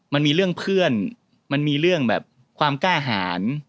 มันมีเรื่องเพื่อนมันมีเรื่องแบบความกล้าหาร